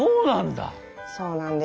そうなんだ！